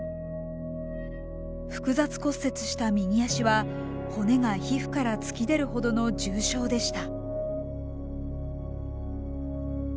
複雑骨折した右脚は骨が皮膚から突き出るほどの重傷でした。